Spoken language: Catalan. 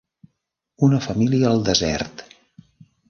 Una família al desert.